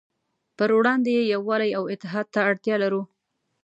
پروړاندې یې يووالي او اتحاد ته اړتیا لرو.